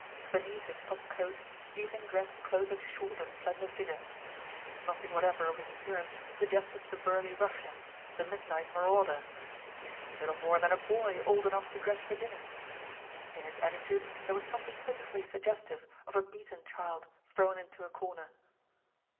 Beneath his top coat, evening dress clothed a short and slender figure. Nothing whatever of his appearance suggested the burly ruffian, the midnight marauder; he seemed little more than a boy old enough to dress for dinner. In his attitude there was something pitifully suggestive of a beaten child, thrown into a corner.